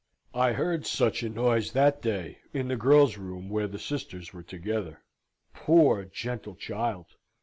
I heard such a noise that day in the girls' room where the sisters were together. Poor, gentle child!